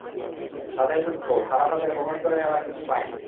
তাদের দুঃখ, তারা তাদের বহন করে নেয়ার কিছু পায়নি।